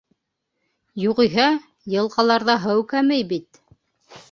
Юғиһә, йылғаларҙа һыу кәмәй бит.